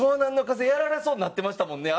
風やられそうになってましたもんね」。